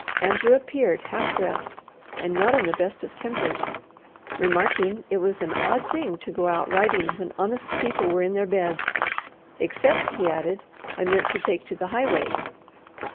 Andrew appeared half dressed, and not in the best of tempers, remarking it was an odd thing to go out riding when honest people were in their beds, except, he added, I meant to take to the highway.